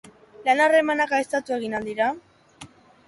Lan harremanak gaiztotu egin al dira?